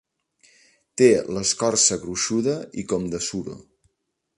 Té l'escorça gruixuda i com de suro.